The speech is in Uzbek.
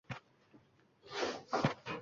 Buni koʻrib xayolimga ajoyib bir fikr keldi.